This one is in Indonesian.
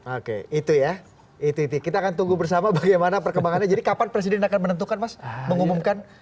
oke itu ya itu kita akan tunggu bersama bagaimana perkembangannya jadi kapan presiden akan menentukan mas mengumumkan